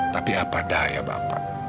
tapi apa daya bapak